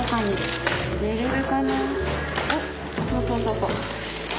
そうそうそうそう。